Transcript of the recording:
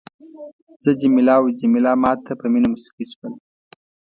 زه جميله او جميله ما ته په مینه مسکي شول.